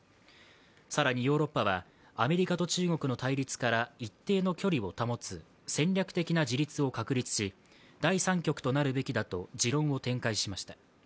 更に、ヨーロッパはアメリカと中国の対立から一定の距離を保つ戦略的な自立を確立し、第３極となるべきだと持論を展開しました。